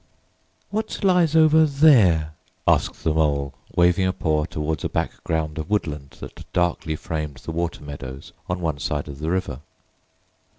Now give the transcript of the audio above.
"What lies over there?" asked the Mole, waving a paw towards a background of woodland that darkly framed the water meadows on one side of the river.